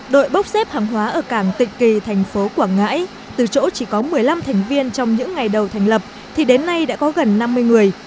đội bốc xếp hàng hóa ở cảng tịnh kỳ thành phố quảng ngãi từ chỗ chỉ có một mươi năm thành viên trong những ngày đầu thành lập thì đến nay đã có gần năm mươi người